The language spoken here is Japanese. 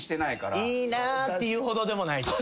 いいなっていうほどでもないし。